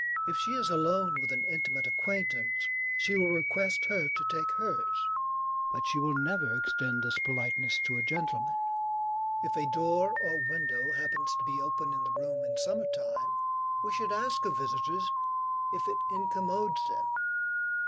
If she is alone with an intimate acquaintance, she will request her to take hers, but she will never extend this politeness to a gentleman. If a door or window happens to be open in the room in summer time, we should ask of visitors, if it incommodes them.